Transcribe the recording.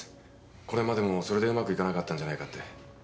これまでもそれでうまくいかなかったんじゃないかって。